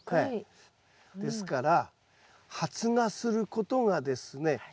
ですから発芽することがですね